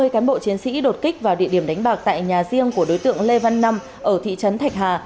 ba mươi cán bộ chiến sĩ đột kích vào địa điểm đánh bạc tại nhà riêng của đối tượng lê văn năm ở thị trấn thạch hà